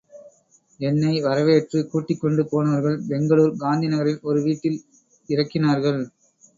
என்னை வரவேற்று கூட்டிக்கொண்டு போனவர்கள் பெங்களூர் காந்தி நகரில் ஒரு வீட்டில் இறக்கினார்கள்.